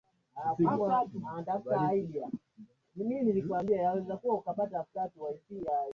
katika harusi na sherehe nyingine za kimila kama vile kujengea makaburi Mahoka mila za